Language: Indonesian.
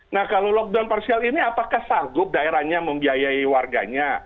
nah kalau lockdown parsial ini apakah sagup daerahnya membiayai warganya